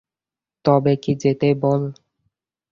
তবে কি যেতেই বল?